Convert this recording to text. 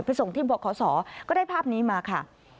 ไปส่งที่บอกขอสอก็ได้ภาพนี้มาค่ะ